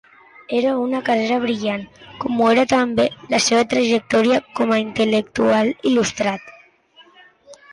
Era una carrera brillant, com ho era també la seva trajectòria com a intel·lectual il·lustrat.